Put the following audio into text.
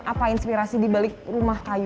apa yanghigh inspirasi